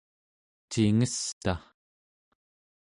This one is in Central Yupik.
cingesta